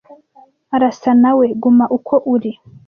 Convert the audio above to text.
Arasa nawe. Guma uko uri.